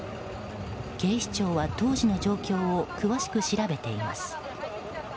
警視庁は当時の状況を詳しく調べています。